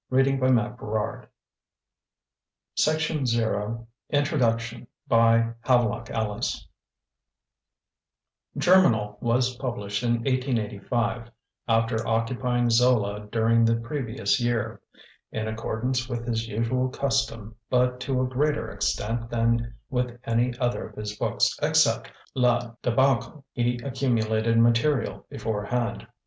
Aldine House Bedford St. London 1885 Introduction By Havelock Ellis 'GERMINAL' was published in 1885, after occupying Zola during the previous year. In accordance with his usual custom but to a greater extent than with any other of his books except La Débâcle he accumulated material beforehand.